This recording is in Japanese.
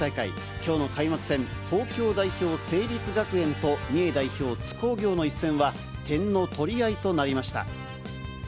きょうの開幕戦、東京代表、成立学園と三重代表、津工業の一戦は、点の取り合いとなりました。